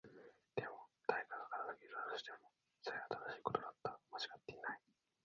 でも、誰が片付けたとしても、それは正しいことだった。間違っていない。